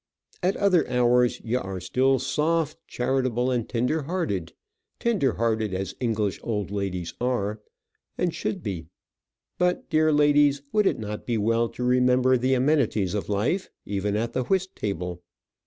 At other hours ye are still soft, charitable, and tender hearted; tender hearted as English old ladies are, and should be. But, dear ladies, would it not be well to remember the amenities of life even at the whist table?